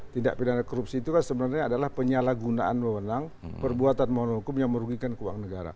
tindak pidana korupsi itu kan sebenarnya adalah penyala gunaan pemenang perbuatan maupun hukum yang merugikan keuangan negara